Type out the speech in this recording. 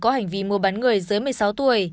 có hành vi mua bán người dưới một mươi sáu tuổi